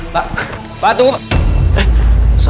pak pak tunggu